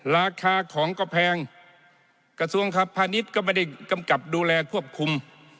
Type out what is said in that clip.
ราคาของก็แพงกระทรวงครับพาณิชย์ก็ไม่ได้กำกับดูแลควบคุม